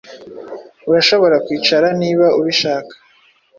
Urashobora kwicara niba ubishaka.